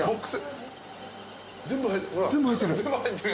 全部入ってる。